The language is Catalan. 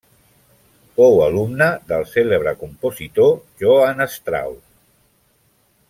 Fou alumne del cèlebre compositor Johann Strauss.